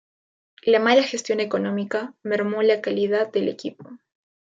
La mala gestión económica mermó la calidad del equipo.